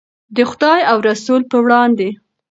د خدای او رسول په وړاندې.